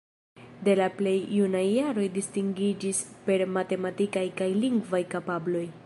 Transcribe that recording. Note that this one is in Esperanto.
De la plej junaj jaroj distingiĝis per matematikaj kaj lingvaj kapabloj.